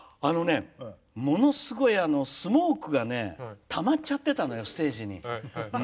ものすごいスモークがたまっちゃってたのよステージに。